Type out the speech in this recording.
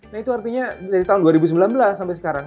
nah itu artinya dari tahun dua ribu sembilan belas sampai sekarang